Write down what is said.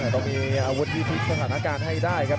ต้องมีอาวุธที่พลิกสถานการณ์ให้ได้ครับ